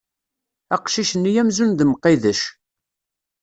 Aqcic-nni amzun d Mqidec.